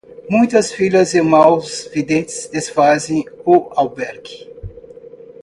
Muitas filhas e maus videntes desfazem o albergue.